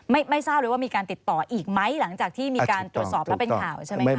ไม่ไม่ทราบเลยว่ามีการติดต่ออีกไหมหลังจากที่มีการตรวจสอบแล้วเป็นข่าวใช่ไหมคะ